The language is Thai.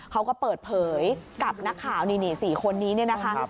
เขาก็เปิดเผยกับนักข่าวนี่๔คนนี้เนี่ยนะคะ